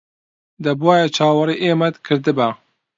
دەبوایە چاوەڕێی ئێمەت کردبا.